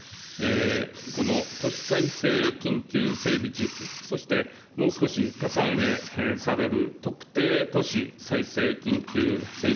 この都市再生緊急整備地域、そして、もう少しかさ上げされる特定都市再生緊急整備